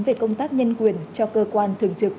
về công tác nhân quyền cho cơ quan thường trực